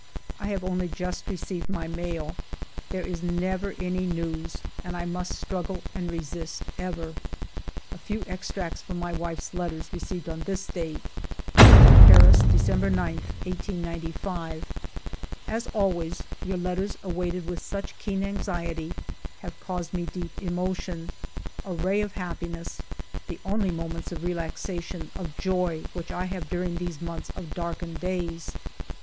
I have only just received my mail. There is never any news, and I must struggle and resist ever. A few extracts from my wife's letters received on this date :— "Paris, December 9, 1895. " As always, your letters, awaited with such keen anxiety, have caused me deep emotion, a ray of happiness, the only moments of relaxation, of joy, which I have during these months of dark ened days.